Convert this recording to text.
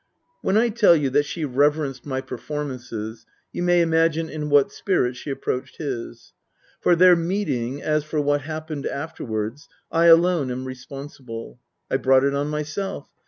When I tell you that she reverenced my performances you may imagine in what spirit she approached his. For their meeting, as for what happened afterwards, I alone am responsible. I brought it on myself.